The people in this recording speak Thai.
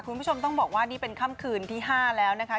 คุณผู้ชมต้องบอกว่านี่เป็นค่ำคืนที่๕แล้วนะคะ